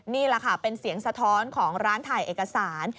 นี่แหละค่ะเป็นเสียงสะท้อนของร้านถ่ายเอกสาร